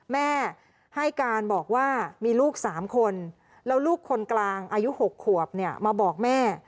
แม่ให้การบอกว่ามีลูก๓คนแล้วลูกคนกลางอายุ๖ขวบเนี่ยมาบอกแม่